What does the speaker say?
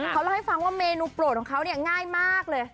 เขาเล่าให้ฟังว่าเมนูโปรดของเขาเนี่ยง่ายมากเลย